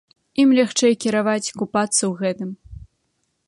Ім лягчэй кіраваць, купацца ў гэтым.